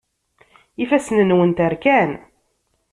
Ifassen-nwent rkan.